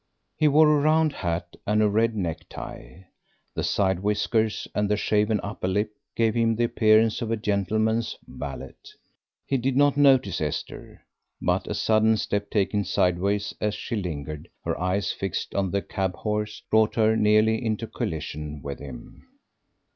He wore a round hat and a red necktie. The side whiskers and the shaven upper lip gave him the appearance of a gentleman's valet. He did not notice Esther, but a sudden step taken sideways as she lingered, her eyes fixed on the cab horse, brought her nearly into collision with him.